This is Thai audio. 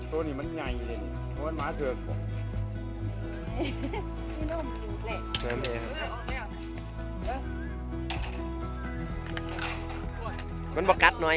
ตัวนี้มันใหญ่เพราะมันม้าเกิน